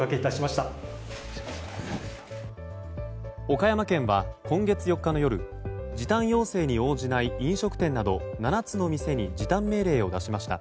岡山県は今月４日の夜時短要請に応じない飲食店など７つの店に時短命令を出しました。